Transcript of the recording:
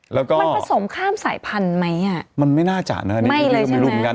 แล้วก็มันผสมข้ามสายพันธุ์ไหมอ่ะมันไม่น่าจะนะอันนี้ไม่ลืมลุมกัน